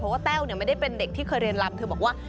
เพราะว่าแต้วเนี่ยไม่ได้เป็นเด็กที่เคยเรียนรำ